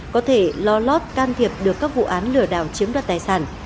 có thể lo lót can thiệp được các vụ án lừa đảo chiếm đoạt tài sản